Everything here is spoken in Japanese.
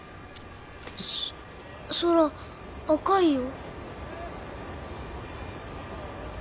空赤いよ。